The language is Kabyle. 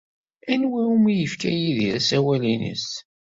Anwa umi yefka Yidir asawal-nnes?